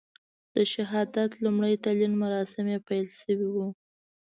د شهادت لومړي تلین مراسم یې پیل شوي وو.